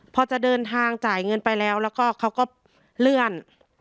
พอจะเดินทางจ่ายเงินไปแล้วแล้วก็เขาก็เลื่อน